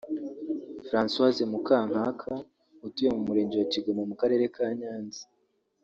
Françoise Mukankaka utuye mu murenge wa Kigoma mu karere ka Nyanza